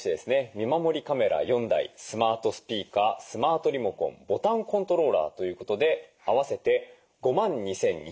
見守りカメラ４台スマートスピーカースマートリモコンボタンコントローラーということで合わせて５万２，２００円。